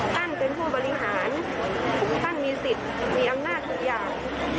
ท่านเป็นผู้บริหารท่านมีสิทธิ์มีอำนาจทุกอย่าง